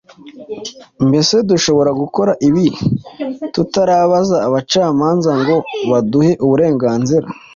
Mbese dushobora gukora ibi tutarabaza abacamanza ngo baduhe uburenganzira?”